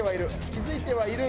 気付いてはいる。